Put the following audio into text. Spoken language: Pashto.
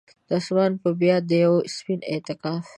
اسمان به بیا د یوه سپین اعتکاف،